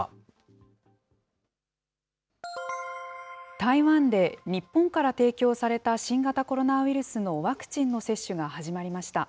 台湾で日本から提供された新型コロナウイルスのワクチンの接種が始まりました。